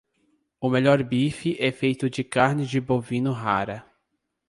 O melhor bife é feito de carne de bovino rara.